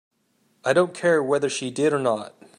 I don't care whether she did or not.